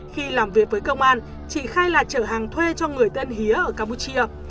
khi làm việc với công an chỉ khai là trở hàng thuê cho người tên hía ở campuchia